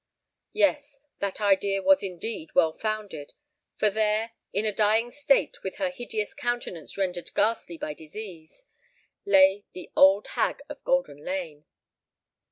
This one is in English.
Yes—that idea was indeed well founded; for there—in a dying state, with her hideous countenance rendered ghastly by disease—lay the old hag of Golden Lane!